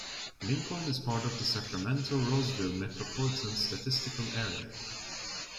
Lincoln is part of the Sacramento-Roseville Metropolitan Statistical Area.